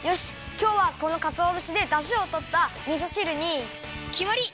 きょうはこのかつおぶしでだしをとったみそ汁にきまり！